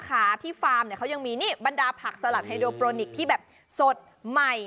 เขายังมีนี่บรรดาผักสลัดไฮโดโปรนิคที่แบบสดใหม่